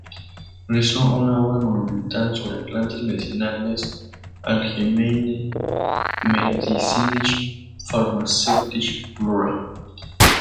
Realizó una obra monumental sobre plantas medicinales: Allgemeine medizinisch-pharmazeutische Flora...